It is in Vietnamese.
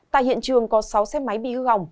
tại hiện trường có sáu xe máy bị hư hỏng